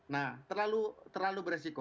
nah terlalu beresiko